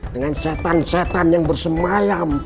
dengan syetan syetan yang bersemayam